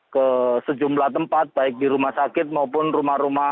ke sejumlah tempat baik di rumah sakit maupun rumah rumah